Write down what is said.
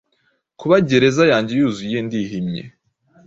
Kuba Gereza yanjye yuzuye ndihimye